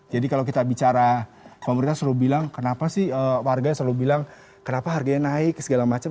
jadi kalau kita bicara pemerintah selalu bilang kenapa sih warganya selalu bilang kenapa harganya naik segala macam